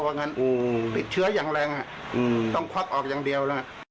เพราะฉะนั้นติดเชื้ออย่างแรงต้องควักออกอย่างเดียว